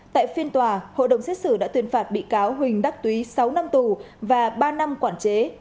tại phiên tòa hội đồng xét xử đã tuyên phạt bị cáo huỳnh đắc túy sáu năm tù và ba năm quản chế